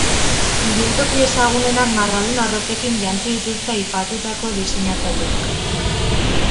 Ibiltoki ezagunenak marradun arropekin jantzi dituzte aipatutako diseinatzaileek.